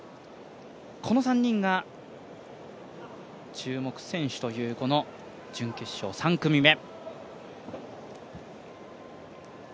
この３人が注目選手という、この準決勝３組目。